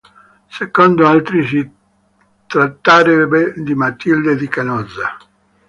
Secondo altri si tratterebbe di Matilde di Canossa.